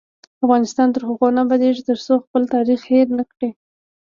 افغانستان تر هغو نه ابادیږي، ترڅو خپل تاریخ هیر نکړو.